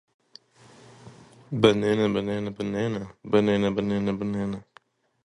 The new mix was retitled "Loaded," and it became a sensation.